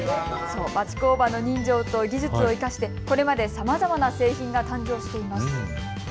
町工場の人情と技術を生かして、これまでさまざまな製品が誕生しています。